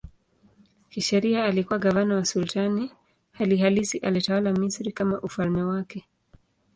Kisheria alikuwa gavana wa sultani, hali halisi alitawala Misri kama ufalme wake.